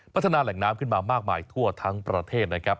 พัฒนาแหล่งน้ำขึ้นมามากมายทั่วทั้งประเทศนะครับ